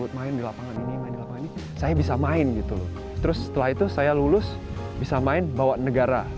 terima kasih main di lapangan ini saya bisa main gitu loh terus setelah itu saya lulus bisa main bawa negara